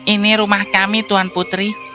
ini rumah kami tuan putri